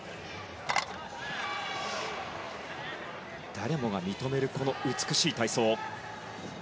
誰もが認める美しい体操。